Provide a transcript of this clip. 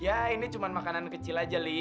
ya ini cuma makanan kecil aja nih